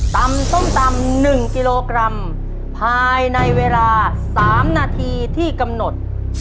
ส้มตำ๑กิโลกรัมภายในเวลา๓นาทีที่กำหนด